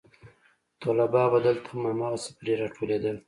طلبا به دلته هم هماغسې پرې راټولېدل.